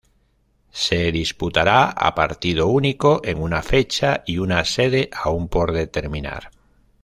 Se disputará a partido único en un fecha y una sede aún por determinar.